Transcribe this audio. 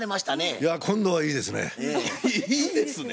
いや今度はいいですね。